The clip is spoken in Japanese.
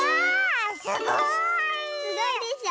すごいでしょ？